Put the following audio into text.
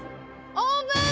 オープン！